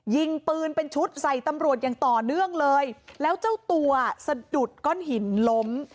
ยิงปืนเป็นชุดใส่ตำรวจอย่างต่อเนื่องเลยแล้วเจ้าตัวสะดุดก้อนหินล้ม